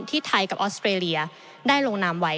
ไทยกับออสเตรเลียได้ลงนามไว้